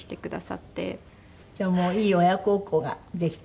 じゃあもういい親孝行ができた。